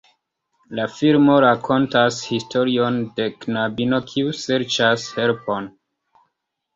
La filmo rakontas historion de knabino kiu serĉas helpon.